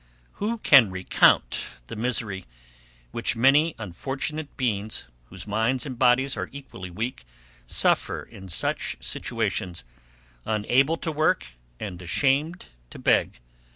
Who can recount the misery, which many unfortunate beings, whose minds and bodies are equally weak, suffer in such situations unable to work and ashamed to beg?